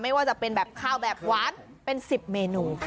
ว่าจะเป็นแบบข้าวแบบหวานเป็น๑๐เมนู